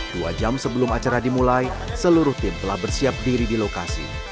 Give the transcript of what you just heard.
dua jam sebelum acara dimulai seluruh tim telah bersiap diri di lokasi